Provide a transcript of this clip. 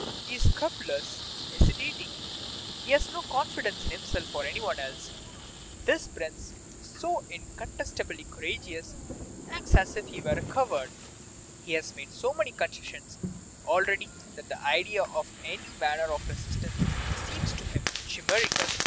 He is scrupulous, hesitating; he has no confidence in himself or any one else. This prince, so incontestably courageous, acts as if he were a coward. He has made so many concessions already that the idea of any manner of resistance seems to him chimerical.